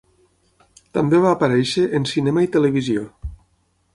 També va aparèixer en cinema i televisió.